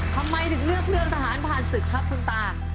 ทำไมถึงเลือกเรื่องทหารผ่านศึกครับคุณตา